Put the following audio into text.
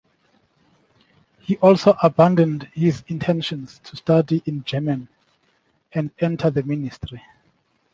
He also abandoned his intentions to study in Germany and enter the ministry.